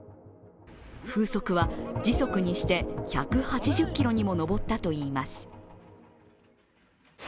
風速は、時速にして１８０キロにも上ったといいます。